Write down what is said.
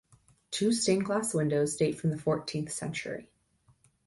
Two stained-glass windows date from the fourteenth century.